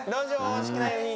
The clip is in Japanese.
お好きなように！